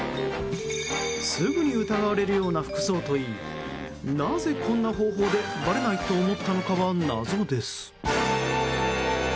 すぐに疑われるような服装といいなぜ、こんな方法でばれないと思ったのかは謎です。